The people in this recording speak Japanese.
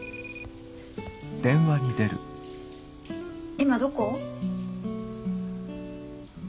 今どこ？